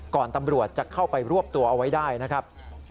ตำรวจจะเข้าไปรวบตัวเอาไว้ได้นะครับ